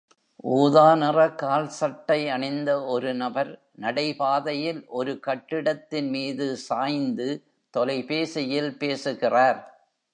ஊதா நிற கால்சட்டை அணிந்த ஒரு நபர், நடைபாதையில் ஒரு கட்டிடத்தின் மீது சாய்ந்து தொலைபேசியில் பேசுகிறார்.